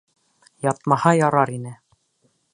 Ятмаһа ярар ине.